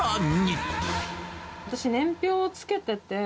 私、年表つけてて。